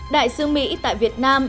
đại sư mỹ tại việt nam